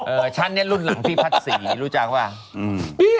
เออฉันนี่รุ่นหลังพี่พัดศรีรู้จักหรือเปล่า